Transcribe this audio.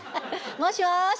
もしもし！